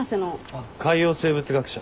あっ海洋生物学者。